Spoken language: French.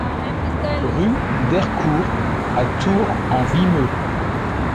Rue d'Ercourt à Tours-en-Vimeu